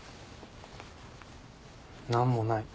何もない。